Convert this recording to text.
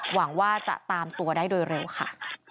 หวังว่าจะตามตัวได้โดยเร็วค่ะ